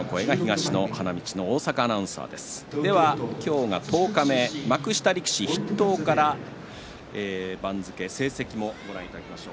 今日は十日目幕下力士筆頭から成績もご覧いただきましょう。